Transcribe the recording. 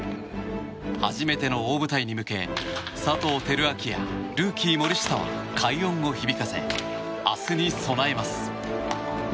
初めての大舞台に向け佐藤輝明やルーキー森下は快音を響かせ、明日に備えます。